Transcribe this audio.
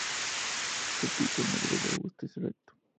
Su pico negro es robusto y recto.